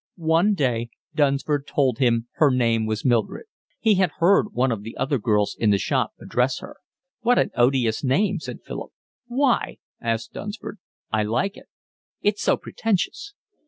One day Dunsford told him her name was Mildred. He had heard one of the other girls in the shop address her. "What an odious name," said Philip. "Why?" asked Dunsford. "I like it." "It's so pretentious."